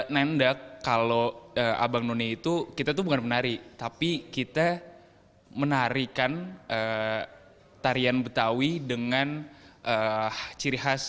nendak kalau abang none itu kita tuh bukan penari tapi kita menarikan tarian betawi dengan ciri khas